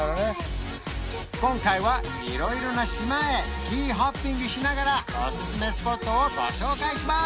今回は色々な島へキーホッピングしながらおすすめスポットをご紹介します